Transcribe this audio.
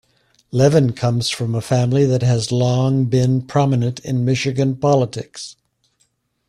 Levin comes from a family that has long been prominent in Michigan politics.